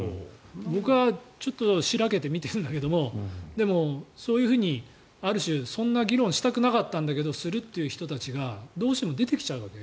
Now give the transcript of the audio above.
僕はしらけて見ているんだけどそういうふうにある種、そんな議論したくなかったんだけどするという人たちがどうしても出てきちゃうわけ。